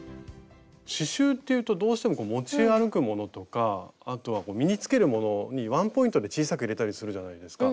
刺しゅうっていうとどうしても持ち歩くものとかあとは身につけるものにワンポイントで小さく入れたりするじゃないですか。